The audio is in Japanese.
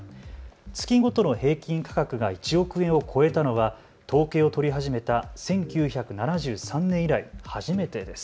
月ごとの平均価格が１億円を超えたのは統計を取り始めた１９７３年以来初めてです。